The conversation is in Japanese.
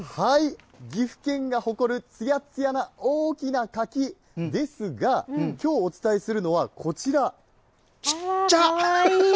岐阜県が誇るつやっつやな大きな柿ですが、きょう、お伝えすちっちゃ。